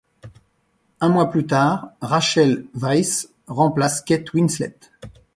Un mois plus tard, Rachel Weisz remplace Kate Winslet.